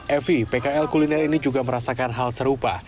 evi pkl kuliner ini juga merasakan hal serupa